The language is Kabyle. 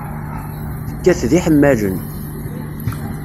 Tekkat d iḥemmalen.